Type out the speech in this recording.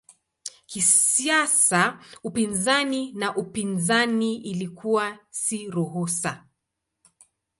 Kisiasa upinzani na upinzani ilikuwa si ruhusa.